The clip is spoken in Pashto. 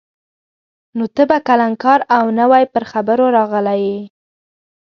نو ته به کلنکار او نوی پر خبرو راغلی یې.